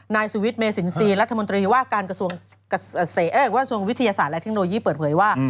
นายสุวิทย์เมสินทรีย์รัฐมนตรีว่าการกระทรวงวิทยาศาสตร์และเทคโนโลยีเปิดเผยว่า